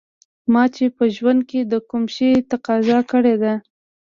ما چې په ژوند کې د کوم شي تقاضا کړې ده